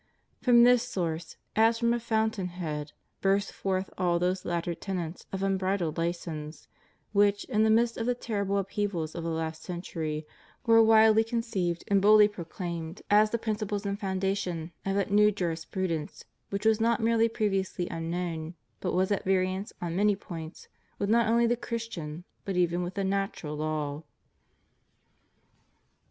From this source, as from a fountain head, burst forth all those later tenets of unbridled license which, in the midst of the terrible upheavals of the last century, were wildly conceived and boldly proclaimed as the principles and foundation of that new jurisprudence which was not merely previously unknown, but was at variance on many points with not only the Christian, but even with the natural law.